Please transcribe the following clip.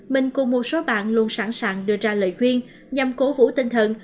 minh cùng một số bạn luôn sẵn sàng đưa ra lời khuyên nhằm cố vũ tinh thần